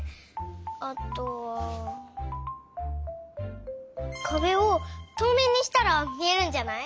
あとはかべをとうめいにしたらみえるんじゃない？